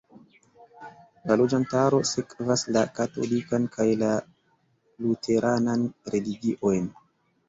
La loĝantaro sekvas la katolikan kaj la luteranan religiojn.